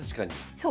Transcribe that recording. そう。